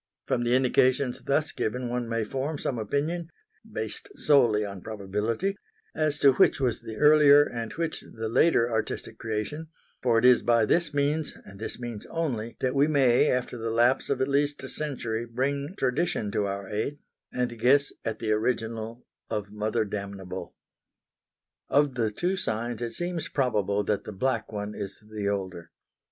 From the indications thus given one may form some opinion based solely on probability as to which was the earlier and which the later artistic creation, for it is by this means and this means only that we may after the lapse of at least a century bring tradition to our aid, and guess at the original of Mother Damnable. Of the two signs it seems probable that the black one is the older.